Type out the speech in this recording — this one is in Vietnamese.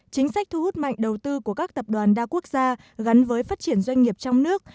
chính sách thu hút mạnh đầu tư của các tập đoàn đa quốc gia gắn với phát triển doanh nghiệp trong nước